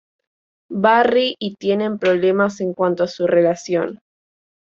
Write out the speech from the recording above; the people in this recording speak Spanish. Barry y tienen problemas en cuanto a su relación.